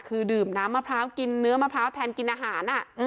คือดื่มน้ำมะพร้าวกินเนื้อมะพร้าวแทนกินอาหาร